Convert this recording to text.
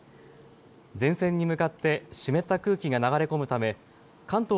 前線に向かって湿った空気が流れ込むため関東